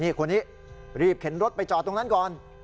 นี่คนนี้รีบเข็นรถไปจอดตรงนั้นก่อน